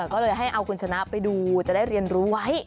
ก็เลยให้เอาคุณชนะไปดูจะได้เรียนรู้ไว้